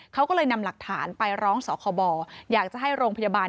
เขาก็เลยนำหลักฐานไปร้องสคบอยากจะให้โรงพยาบาล